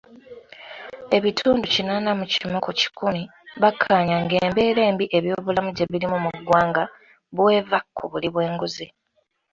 Ebitundu kinaana mu kimu ku kikumi bakkaanya ng'embeera embi ebyobulamu gye birimu muggwanga, bw'eva kubuli bw'enguzi.